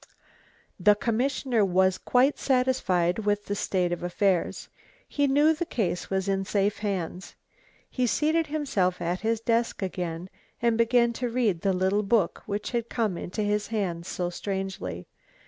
The commissioner was quite satisfied with the state of affairs. He knew the case was in safe hands. He seated himself at his desk again and began to read the little book which had come into his hands so strangely.